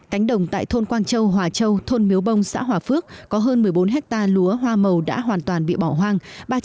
cánh đồng tại thôn quang châu hòa châu thôn miếu bông xã hòa phước có hơn một mươi bốn hectare lúa hoa màu đã hoàn toàn bị bỏ hoang